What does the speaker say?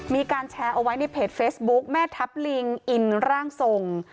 มีการแชร์เอาไว้ในเพจเฟซบุ๊กแม่ทัพลิงอินร่างทรง